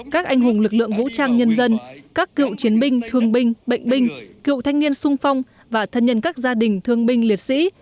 các anh hùng lực lượng vũ trang nhân dân các cựu chiến binh thương binh bệnh binh cựu thanh niên sung phong và thân nhân các gia đình thương binh liệt sĩ